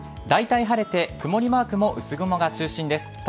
だいたい晴れて曇りマークも薄雲が中心です。